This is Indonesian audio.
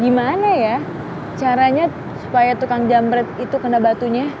gimana ya caranya supaya tukang jam itu kena batunya